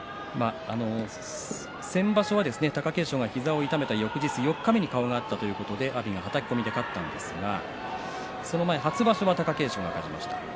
先場所、貴景勝は膝を痛めた翌日、四日目に顔が合って阿炎がはたき込みで勝ったんですがその前、初場所は貴景勝が勝ちました。